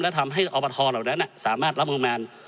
และทำให้อบทเหล่านั้นสามารถรับมือแมน